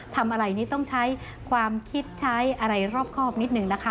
ทำอะไรนี้ต้องใช้ความคิดใช้อะไรรอบครอบนิดนึงนะคะ